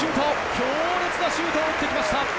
強烈なシュートを打ってきました。